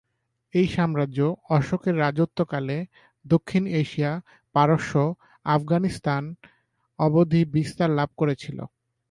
এই সাম্রাজ্য অশোকের রাজত্বকালে দক্ষিণ এশিয়া, পারস্য, আফগানিস্তান অবধি বিস্তার লাভ করেছিল।